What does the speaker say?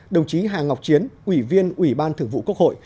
đồng chí hà ngọc chiến ủy viên ủy ban thường vụ quốc hội